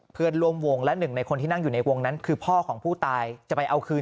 เพื่อนร่วมวงและหนึ่งในคนที่นั่งอยู่ในวงนั้นคือพ่อของผู้ตายจะไปเอาคืน